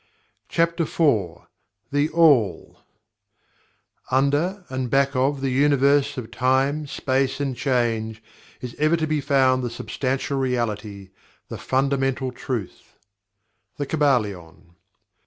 CHAPTER IV THE ALL "Under, and back of, the Universe of Time, Space and Change, is ever to be found The Substantial Reality the Fundamental Truth." The Kybalion.